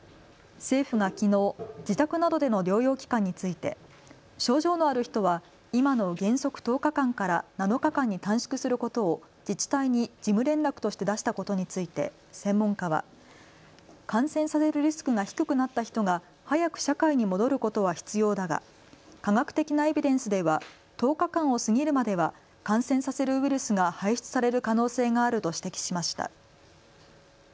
政府がきのう、自宅などでの療養期間について症状のある人は今の原則１０日間から７日間に短縮することを自治体に事務連絡として出したことについて専門家は感染させるリスクが低くなった人が早く社会に戻ることは必要だが科学的なエビデンスでは１０日間を過ぎるまでは感染させるウイルスが排出される可能性があると指摘しました。